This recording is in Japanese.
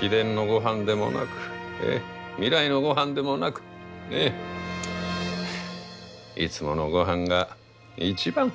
秘伝のごはんでもなく未来のごはんでもなくいつものごはんが一番！